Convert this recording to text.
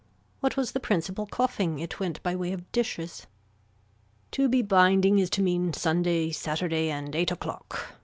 What was the principle coughing, it went by way of dishes. To be binding is to mean Sunday Saturday and eight o'clock.